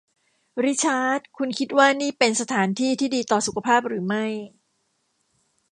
ริชาร์ดคุณคิดว่านี่เป็นสถานที่ที่ดีต่อสุขภาพหรือไม่ ?